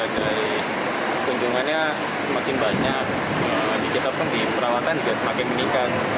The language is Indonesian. dari kunjungannya semakin banyak di perawatan juga semakin meningkat